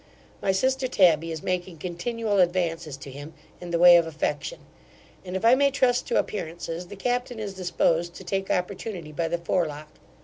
My sister Tabby is making continual advances to him, in the way of affection; and, if I may trust to appearances, the captain is disposed to take opportunity by the forelock.